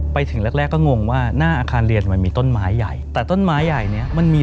ไปถึงแรกแรกก็งงว่าหน้าอาคารเรียนมันมีต้นไม้ใหญ่แต่ต้นไม้ใหญ่เนี้ยมันมี